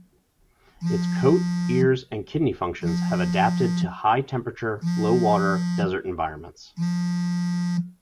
Its coat, ears, and kidney functions have adapted to high-temperature, low-water, desert environments.